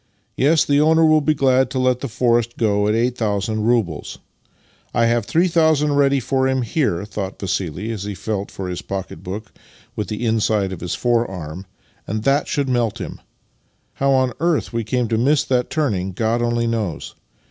Yes. the owner will be glad to let the forest go at 8000 roubles. I have 3000 ready for him here," thought Vassili as he felt for his pocket book with the inside of his fore arm; " and that should melt him. How on earth we came to miss that turning God only knows.